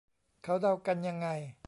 เขาเดากันยังไง